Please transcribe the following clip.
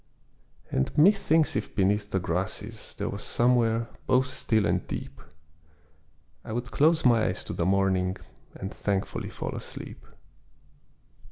And methinks if beneath the grasses, There was somewhere, both still and deep, I would close my eyes to the morning, And thankfully fall asleep.